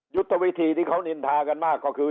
ยุทธวิธีที่เขานินทากันมากก็คือ